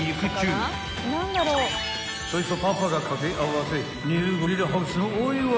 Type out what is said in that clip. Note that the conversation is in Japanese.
［そいつをパパが掛け合わせニューゴリラハウスのお祝い］